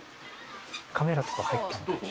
カメラとか入っても？